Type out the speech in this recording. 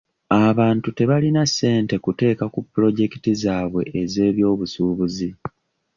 Abantu tebalina ssente kuteeka ku pulojekiti zaabwe ez'eby'obusuubuzi.